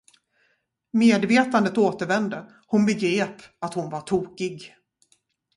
Medvetandet återvände, hon begrep att hon var tokig.